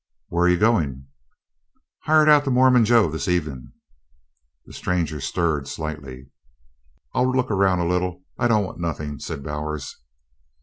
"Where you going?" "Hired out to Mormon Joe this evenin'." The stranger stirred slightly. "I'll look around a little I don't want nothin'," said Bowers.